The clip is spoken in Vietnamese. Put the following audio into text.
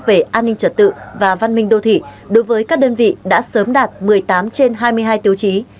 về an ninh trật tự và văn minh đô thị đối với các đơn vị đã sớm đạt một mươi tám trên hai mươi hai tiêu chí